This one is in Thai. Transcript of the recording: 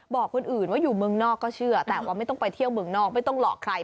บอกคนอื่นว่าอยู่เมืองนอกก็เชื่อแต่ว่าไม่ต้องไปเที่ยวเมืองนอกไม่ต้องหลอกใคร